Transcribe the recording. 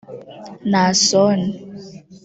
Naason